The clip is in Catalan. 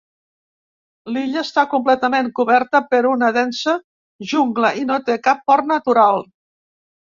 L'illa està completament coberta per una densa jungla, i no té cap port natural.